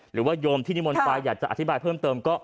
หรือว่ายมที่นิมนต์ปรายอยากจะอธิบายเพิ่มเติม